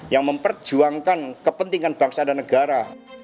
yang memperjuangkan kepentingan bangsa dan negara